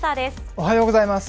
おはようございます。